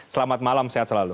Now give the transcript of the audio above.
selamat malam sehat selalu